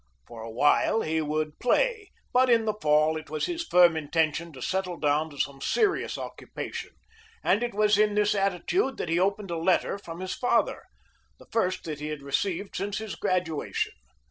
For a while he would play, but in the fall it was his firm intention to settle down to some serious occupation, and it was in this attitude that he opened a letter from his father the first that he had received since his graduation.